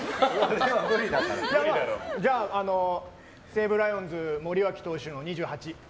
じゃあ西武ライオンズ森脇投手の２８。